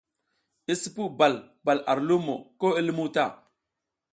I sipuw bal bal ar lumo ko i lumuw ta.